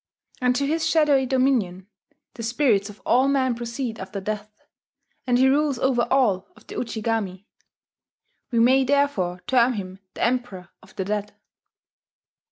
Unto his shadowy dominion the spirits of all men proceed after death; and he rules over all of the Ujigami. We may therefore term him the Emperor of the Dead.